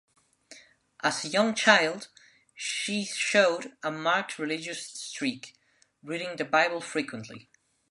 As a young child, she showed a marked religious streak, reading the Bible frequently.